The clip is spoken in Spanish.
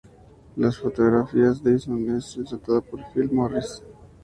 En las fotografías, Dyson es retratado por Phil Morris.